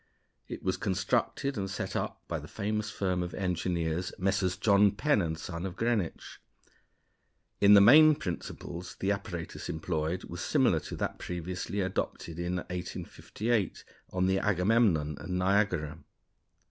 It was constructed and set up by the famous firm of engineers, Messrs. John Penn & Son, of Greenwich. In the main principles the apparatus employed was similar to that previously adopted in 1858 on the Agamemnon and Niagara.